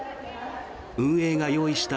運営が用意した